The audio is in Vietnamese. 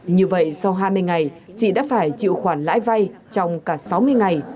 như vậy sau hai mươi ngày chị đã phải chịu khoản lãi vay trong cả sáu mươi ngày